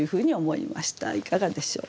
いかがでしょう？